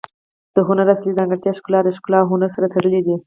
د هنر اصلي ځانګړتیا ښکلا ده. ښګلا او هنر سره تړلي دي.